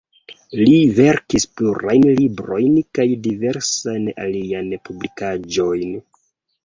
Li verkis plurajn librojn kaj diversajn aliajn publikaĵojn.